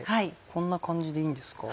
こんな感じでいいんですか？